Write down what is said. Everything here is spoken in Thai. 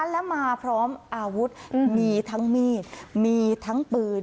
และมาพร้อมอาวุธมีทั้งมีดมีทั้งปืน